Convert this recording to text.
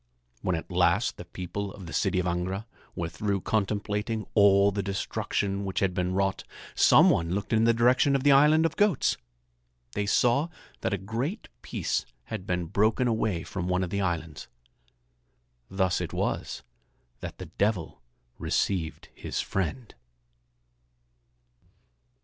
When at last the people of the city of Angra were through contemplating all the destruction which had been wrought, some one looked in the direction of the island of goats. They saw that a great piece had been broken away from one of the islands. Thus it was that the Devil received his friend.